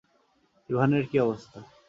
ইভানের কী অবস্থা?